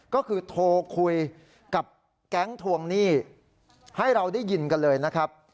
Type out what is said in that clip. ก็คือโทรคุยกับแก๊งทวงหนี้ให้เราได้ยินกันเลยนะครับ